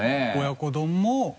親子丼も。